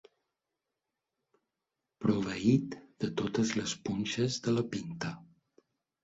Proveït de totes les punxes de la pinta.